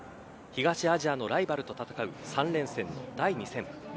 東アジアのライバルと戦う３連戦の第２戦。